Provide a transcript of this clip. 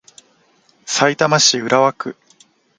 さいたま市浦和区